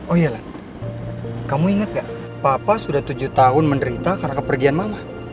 oh iya lah kamu ingat gak papa sudah tujuh tahun menderita karena kepergian malah